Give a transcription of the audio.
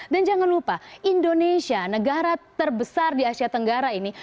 dan jangan lupa indonesia negara terbesar di asia tenggara ini